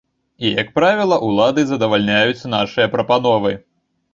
І як правіла ўлады задавальняюць нашыя прапановы.